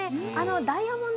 ダイヤモンド